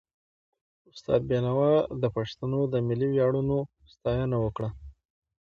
استاد بينوا د پښتنو د ملي ویاړونو ستاینه وکړه.